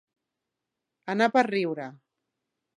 Anar per riure.